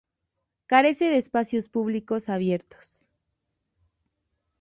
Carece de espacios públicos abiertos.